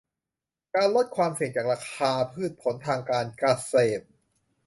การลดความเสี่ยงจากราคาพืชผลทางการเกษตร